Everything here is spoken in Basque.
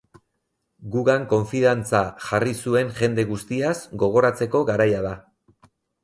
Gugan konfidantza jarri zuen jende guztiaz gogoratzeko garaia da.